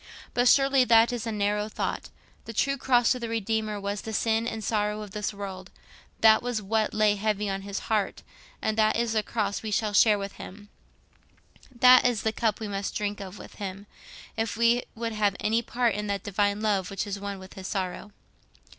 But surely that is a narrow thought. The true cross of the Redeemer was the sin and sorrow of this world—that was what lay heavy on his heart—and that is the cross we shall share with him, that is the cup we must drink of with him, if we would have any part in that Divine Love which is one with his sorrow.